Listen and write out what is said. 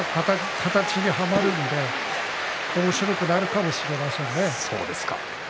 形にはまるのでおもしろくなるかもしれませんね。